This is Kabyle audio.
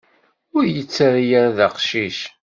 Ur yi-ttarra ara d aqcic.